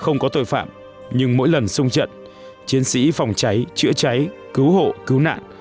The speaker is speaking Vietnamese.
không có tội phạm nhưng mỗi lần sung trận chiến sĩ phòng cháy chữa cháy cứu hộ cứu nạn